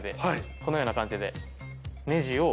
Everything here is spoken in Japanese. このような感じで。